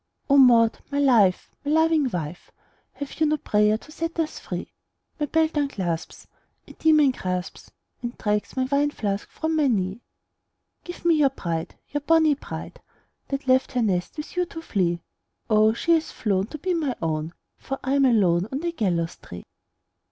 "O Maud, my life! my loving wife! Have you no prayer to set us free? My belt unclasps, a demon grasps And drags my wine flask from my knee!" "Give me your bride, your bonnie bride, That left her nest with you to flee! O, she hath flown to be my own, For I'm alone on the gallows tree!"